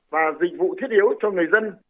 và dịch vụ thiết yếu cho người dân